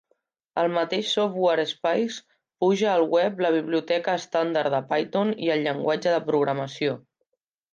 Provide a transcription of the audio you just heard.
El mateix "software" Spyce puja al web la biblioteca estàndard de Python i el llenguatge de programació.